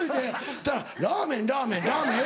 ったらラーメンラーメンラーメンえっ？